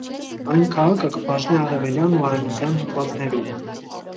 Այն քաղաքը կը բաժնէ արեւելեան ու արեւմտեան հատուածներու։